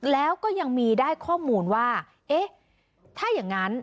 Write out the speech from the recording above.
แล้วก็ยังมีได้ข้อมูลว่าเอ๊ะถ้าอย่างนั้น